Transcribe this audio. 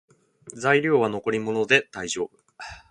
材料は残り物でだいじょうぶ